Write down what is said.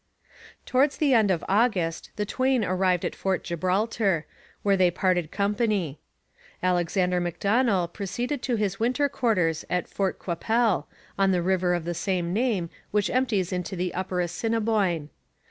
Towards the end of August the twain arrived at Fort Gibraltar, where they parted company. Alexander Macdonell proceeded to his winter quarters at Fort Qu'Appelle, on the river of the same name which empties into the upper Assiniboine.